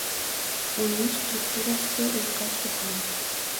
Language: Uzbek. uning strukturasiga uyqash to‘qiladi.